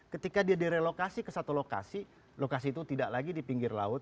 ketika dia direlokasi ke satu lokasi lokasi itu tidak lagi di pinggir laut